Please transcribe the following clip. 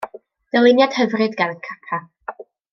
Dyluniad hyfryd gan Kappa.